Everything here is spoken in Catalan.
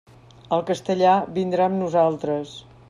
El castellà vindrà amb nosaltres.